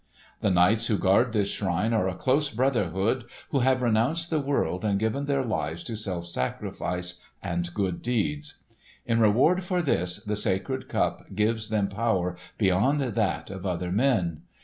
The knights who guard this shrine are a close brotherhood who have renounced the world and given their lives to self sacrifice and good deeds. In reward for this, the sacred Cup gives them power beyond that of other men.